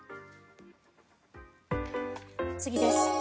次です。